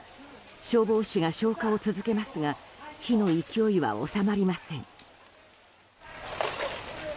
消防士が消火を続けますが火の勢いは収まりません。